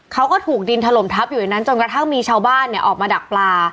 เขาก็ถูกดินถล่มทับอยู่ในนั้นจนกระทั่งมีชาวบ้านเนี่ยออกมาดักปลา